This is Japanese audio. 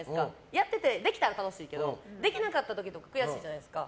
やってて、できたら楽しいけどできなかった時悔しいじゃないですか。